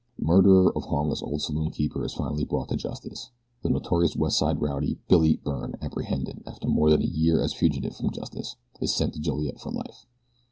Murderer of harmless old saloon keeper is finally brought to justice. The notorious West Side rowdy, "Billy" Byrne, apprehended after more than a year as fugitive from justice, is sent to Joliet for life.